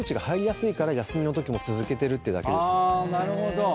なるほど。